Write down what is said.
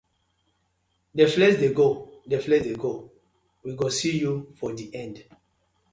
Dey flex dey go, dey flex dey go, we go see yu for di end.